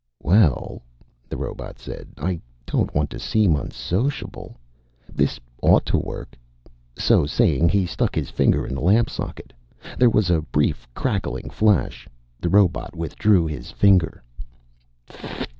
"Well," the robot said, "I don't want to seem unsociable. This ought to work." So saying, he stuck his finger in the lamp socket. There was a brief, crackling flash. The robot withdrew his finger.